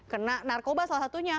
kena narkoba salah satunya